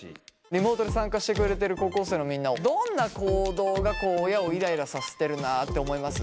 リモートで参加してくれてる高校生のみんなはどんな行動が親をイライラさせてるなって思います？